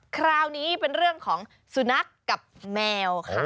คราวนี้เป็นเรื่องของสุนัขกับแมวค่ะ